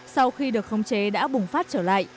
sau khi được khống chế đã bùng phát trở lại